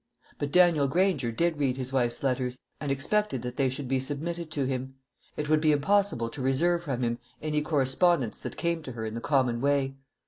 But Daniel Granger did read his wife's letters, and expected that they should be submitted to him. It would be impossible to reserve from him any correspondence that came to her in the common way.